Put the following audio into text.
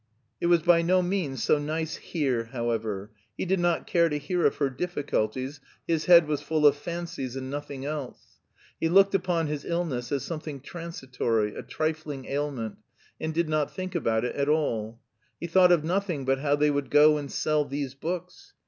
It was by no means so nice "here", however. He did not care to hear of her difficulties; his head was full of fancies and nothing else. He looked upon his illness as something transitory, a trifling ailment, and did not think about it at all; he thought of nothing but how they would go and sell "these books."